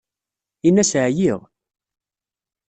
Ini-as ɛyiɣ.